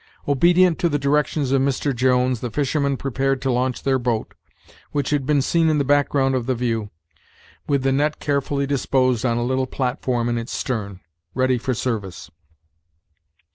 Obedient to the directions of Mr. Jones the fishermen prepared to launch their boat, which had been seen in the background of the view, with the net carefully disposed on a little platform in its stern, ready for service.